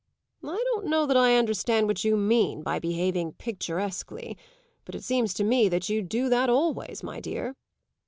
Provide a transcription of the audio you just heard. "I don't know that I understand what you mean by behaving picturesquely, but it seems to me that you do that always, my dear."